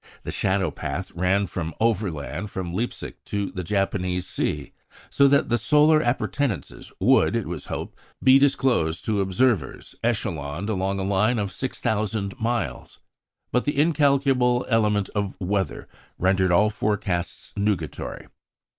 The shadow path ran overland from Leipsic to the Japanese sea, so that the solar appurtenances would, it was hoped, be disclosed to observers echeloned along a line of 6,000 miles. But the incalculable element of weather rendered all forecasts nugatory.